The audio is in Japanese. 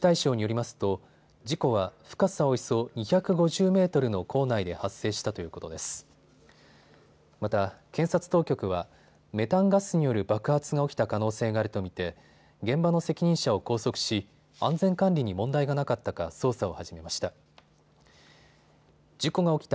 また、検察当局はメタンガスによる爆発が起きた可能性があると見て現場の責任者を拘束し安全管理に問題がなかったか捜査を始めました。